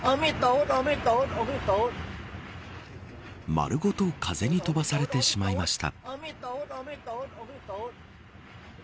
丸ごと風に飛ばされてしまいました。